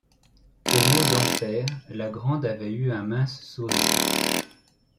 Au mot d’enfer, la Grande avait eu un mince sourire.